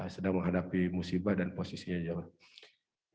sedang menghadapi musibah dan posisinya jauh